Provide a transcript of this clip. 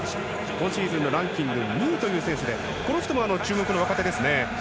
今シーズンのランキングが２位という成績でこの人も注目の若手ですね。